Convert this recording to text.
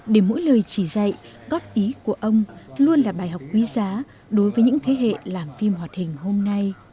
để mỗi lời chỉ dạy góp ý của ông luôn là bài học quý giá đối với những thế hệ làm phim hoạt hình hôm nay